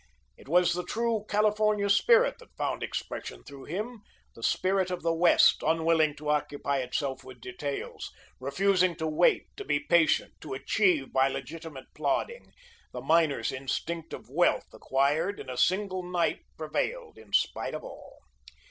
It was the true California spirit that found expression through him, the spirit of the West, unwilling to occupy itself with details, refusing to wait, to be patient, to achieve by legitimate plodding; the miner's instinct of wealth acquired in a single night prevailed, in spite of all.